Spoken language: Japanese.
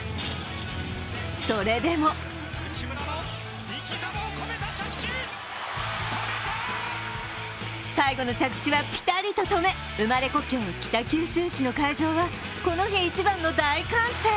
それでも最後の着地はピタリと止め、生まれ故郷・北九州市の会場はこの日、一番の大歓声。